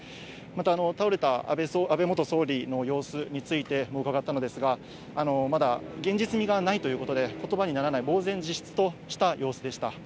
また倒れた安倍元総理の様子についても伺ったのですが、まだ現実味がないということで、ことばにならない、ぼう然自失とした様子でした。